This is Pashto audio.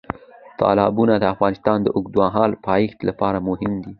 تالابونه د افغانستان د اوږدمهاله پایښت لپاره مهم دي.